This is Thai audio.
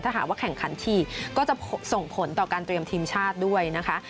ถ้าหากว่าแข่งขันทีก็จะส่งผลต่อการเตรียมทีมชาติด้วยนะคะ